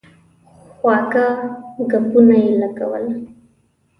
خواږه ګپونه یې لګول.